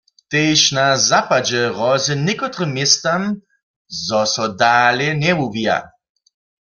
Tež na zapadźe hrozy někotrym městam, zo so dale njewuwija.